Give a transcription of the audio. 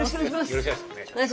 よろしくお願いします。